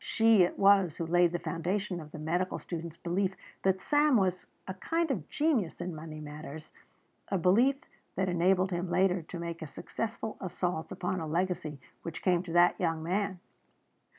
She it was who laid the foundation of the medical student's belief that Sam was a kind of genius in money matters, a belief that enabled him later to make a successful assault upon a legacy which came to that young man.